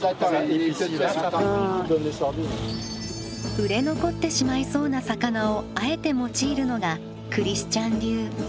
売れ残ってしまいそうな魚をあえて用いるのがクリスチャン流。